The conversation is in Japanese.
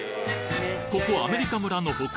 ここアメリカ村の他